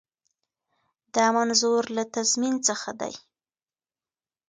دا منظور له تضمین څخه دی.